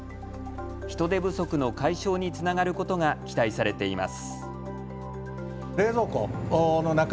人手不足の解消につながることが期待されています。